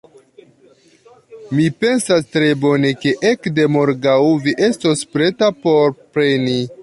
Mi pensas tre bone ke ekde morgaŭ, vi estos preta por preni...